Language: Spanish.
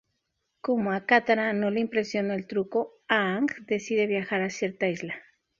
Como a Katara no le impresiona el truco, Aang decide viajar a cierta isla.